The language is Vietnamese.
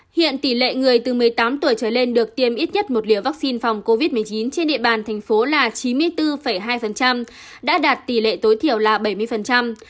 hiện tỷ lệ người từ một mươi tám tuổi trở lên được tiêm ít nhất một liều vaccine phòng covid một mươi chín trên địa bàn thành phố là chín mươi bốn hai đã đạt tỷ lệ tối thiểu là bảy mươi